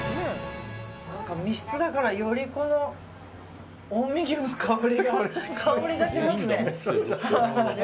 密室だからより近江牛の香りが立ちますね。